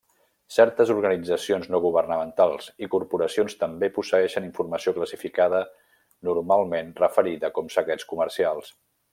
Certes organitzacions no governamentals i corporacions també posseeixen informació classificada, normalment referida com secrets comercials.